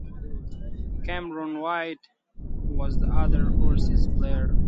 Cameron White was the other overseas player.